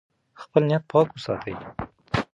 خپل نیت پاک وساتئ.